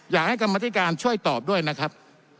อยากให้กรรมธิการช่วยตอบด้วยนะครับ